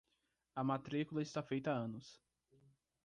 A matrícula está feita há anos.